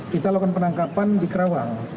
kita lakukan penangkapan di kerawang